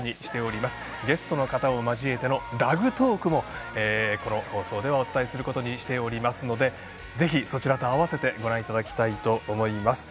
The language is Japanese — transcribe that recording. ゲストの方を交えてのラグトークもこの放送ではお伝えすることにしていますのでぜひそちらと合わせてお楽しみいただければと思います。